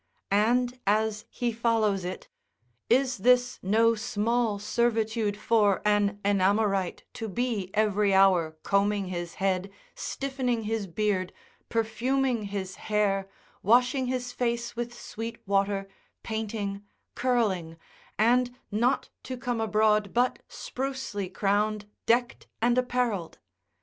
And as he follows it, Is this no small servitude for an enamourite to be every hour combing his head, stiffening his beard, perfuming his hair, washing his face with sweet water, painting, curling, and not to come abroad but sprucely crowned, decked, and apparelled?